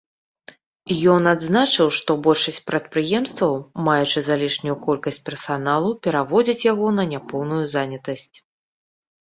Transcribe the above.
Ён адзначыў, што большасць прадпрыемстваў, маючы залішнюю колькасць персаналу, пераводзяць яго на няпоўную занятасць.